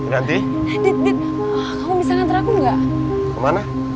nanti kamu bisa nganter aku gak kemana